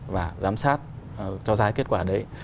và giám sát cho ra cái kết quả đấy